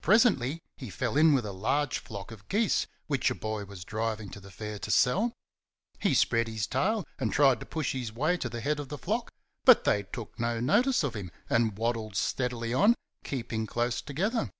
Presently he fell in with a large flock of geese which a boy was driving to the Fair to sell. He spread his tail and tried to push his way to the head of the flock, but they took no notice of him and waddled steadily on, keeping close together.